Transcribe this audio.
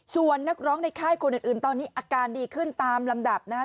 ส่วนนักร้องในค่ายคนอื่นตอนนี้อาการดีขึ้นตามลำดับนะฮะ